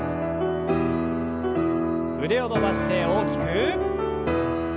腕を伸ばして大きく。